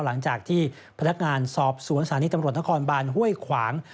หลังจากที่พนักงานสอบสวนสถานีตำรวจนครบานห้วยขวาง